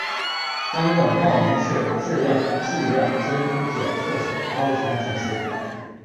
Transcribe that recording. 担任茂名市质量计量监督检测所高级工程师。